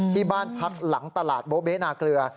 ที่บ้านพักหลังตลาดโบเบนาเกลือ